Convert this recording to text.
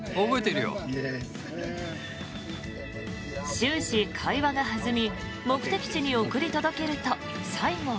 終始、会話が弾み目的地に送り届けると最後は。